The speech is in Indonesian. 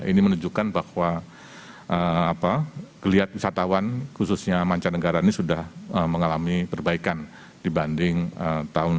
ini menunjukkan bahwa kelihatan wisatawan khususnya mancanegara ini sudah mengalami perbaikan dibanding tahun